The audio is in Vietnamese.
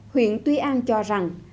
huyện tuy an cho rằng